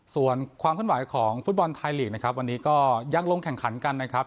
ส่วนความเคลื่อนไหวของฟุตบอลไทยลีกนะครับวันนี้ก็ยังลงแข่งขันกันนะครับ